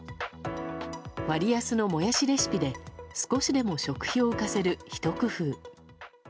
割安のモヤシレシピで少しでも食費を浮かせるひと工夫。